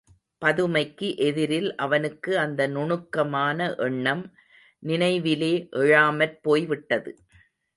பதுமைக்கு எதிரில் அவனுக்கு அந்த நுணுக்கமான எண்ணம் நினைவிலே எழாமற் போய்விட்டது.